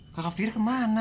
kakak fir kemana